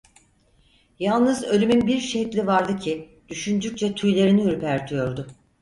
Yalnız ölümün bir şekli vardı ki, düşündükçe tüylerini ürpertiyordu.